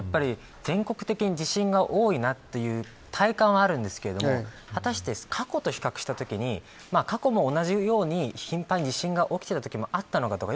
全国的に地震が多いなという体感はあるんですけどはたして、過去と比較したときに過去も同じように頻繁に地震が起きていたときもあったのかとか。